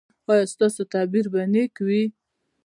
ایا ستاسو تعبیر به نیک وي؟